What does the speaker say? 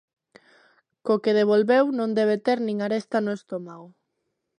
Co que devolveu non debe ter nin aresta no estómago.